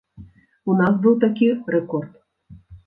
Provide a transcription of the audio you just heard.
У нас быў такі рэкорд.